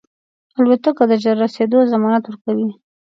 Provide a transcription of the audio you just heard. الوتکه د ژر رسېدو ضمانت ورکوي.